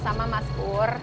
sama sama mas pur